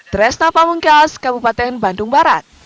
tresna pamungkas kabupaten bandung barat